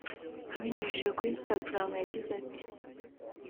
Abinyujije kuri Instagram yagize ati